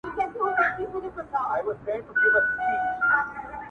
بیا به جهان راپسي ګورې نه به یمه!